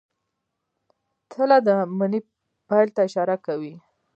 تله د مني پیل ته اشاره کوي.